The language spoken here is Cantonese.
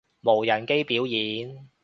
無人機表演